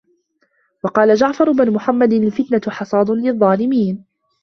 وَقَالَ جَعْفَرُ بْنُ مُحَمَّدٍ الْفِتْنَةُ حَصَادٌ لِلظَّالِمَيْنِ